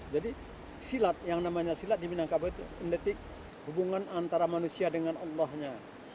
jadi silat yang namanya silat di minangkabau itu endetik hubungan antara manusia dengan allah nya